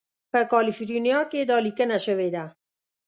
په کالیفورنیا کې دا لیکنه شوې ده.